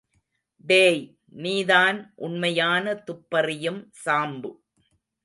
டேய், நீதான் உண்மையான துப்பறியும் சாம்பு.